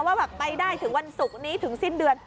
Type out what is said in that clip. ว่าแบบไปได้ถึงวันศุกร์นี้ถึงสิ้นเดือน